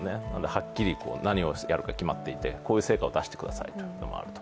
はっきり何をやるか決まっていてこういう成果を出してくださいみたいなものがあると。